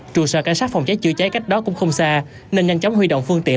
trụ sở cảnh sát phòng cháy chữa cháy cách đó cũng không xa nên nhanh chóng huy động phương tiện